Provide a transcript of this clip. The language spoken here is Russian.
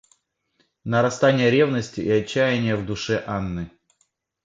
Нарастание ревности и отчаяния в душе Анны.